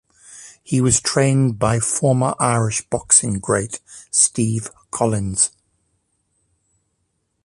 He was trained by former Irish boxing great Steve Collins.